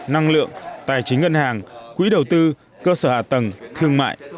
năng lượng tài chính ngân hàng quỹ đầu tư cơ sở hạ tầng thương mại